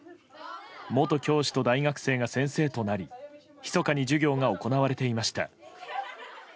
元教師と大学生が先生となりひそかに授業が行われていました。